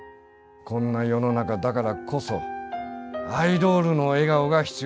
こんな世の中だからこそアイドールの笑顔が必要なんだよ。